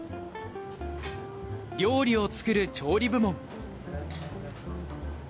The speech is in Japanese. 料理を作る調理部門。